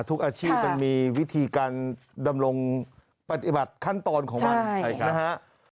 ทุกอาชีพมันมีวิธีการดำรงปฏิบัติขั้นตอนของมันนะฮะ